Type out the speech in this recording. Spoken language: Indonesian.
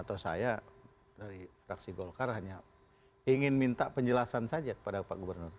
atau saya dari fraksi golkar hanya ingin minta penjelasan saja kepada pak gubernur